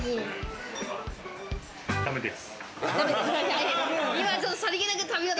ダメです。